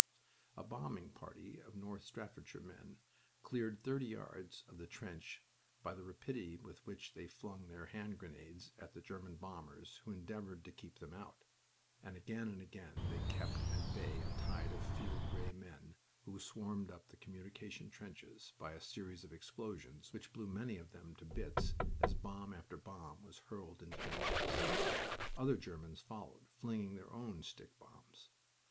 A bombing party of North Staffordshire men cleared thirty yards of the trench by the rapidity with which they flung their hand grenades at the German bombers who endeavored to keep them out, and again and again they kept at bay a tide of field gray men, who swarmed up the communication trenches, by a series of explosions which blew many of them to bits as bomb after bomb was hurled into their mass. Other Germans followed, flinging their own stick bombs.